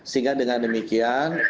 sehingga dengan demikian